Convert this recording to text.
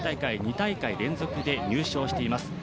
２大会連続で入賞しています